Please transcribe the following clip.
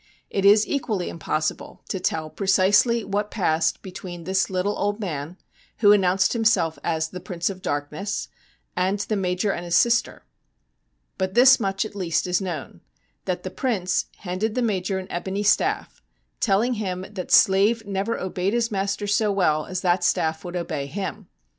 It is equally impossible to tell precisely what passed between this little old man who announced him *self as ' The Prince of Darkness ' and the Major and his sister. But this much, at least, is known, that the Prince handed the Major an ebony staff, telling him that slave never obeyed his master so well as that staff would obey him.